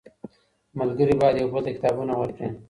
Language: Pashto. ملګري بايد يو بل ته کتابونه ورکړي.